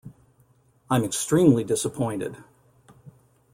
I'm extremely disappointed.